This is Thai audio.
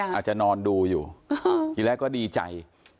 อาจจะนอนดูอยู่ทีแรกก็ดีใจ